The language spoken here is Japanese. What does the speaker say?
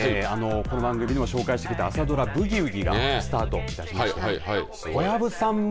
この番組でも紹介してきた朝ドラ、ブギウギがスタートいたしました。